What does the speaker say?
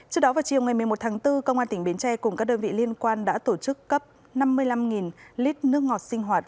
trước đó vào chiều ngày một mươi một tháng bốn công an tỉnh bến tre cùng các đơn vị liên quan đã tổ chức cấp năm mươi năm lít nước ngọt sinh hoạt